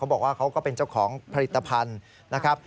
บอกว่าเขาก็เป็นเจ้าของผลิตภัณฑ์นะครับ